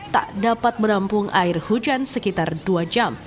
tak dapat menampung air hujan sekitar dua jam